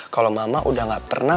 kalau mama udah gak pernah